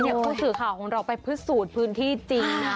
ผู้สื่อข่าวของเราไปพิสูจน์พื้นที่จริงนะ